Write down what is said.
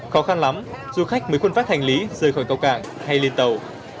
khó khăn lắm du khách mới khuân vác hành lý rời khỏi cầu cảng hay lên tàu